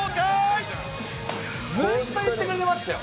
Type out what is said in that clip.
ずっと言ってくれてましたよ。